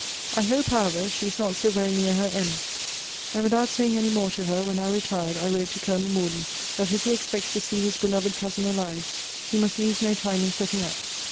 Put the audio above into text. I hope, however, she is not so very near her end. And without saying any more to her, when I retired, I wrote to Colonel Morden, that if he expects to see his beloved cousin alive, he must lose no time in setting out.